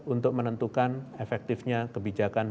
untuk menentukan efektifnya kebijakan